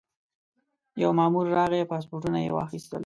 یو مامور راغی پاسپورټونه یې واخیستل.